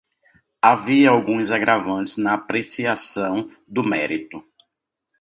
Havia alguns agravantes na apreciação do mérito